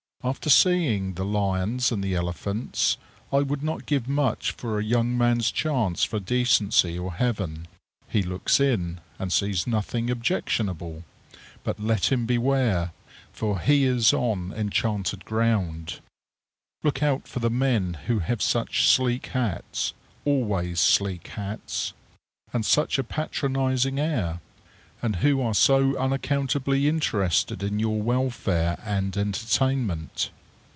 After seeing the lions and the elephants, I would not give much for a young man's chance for decency or heaven. He looks in, and sees nothing objectionable; but let him beware, for he is on enchanted ground. Look out for the men who have such sleek hats always sleek hats and such a patronizing air, and who are so unaccountably interested in your welfare and entertainment.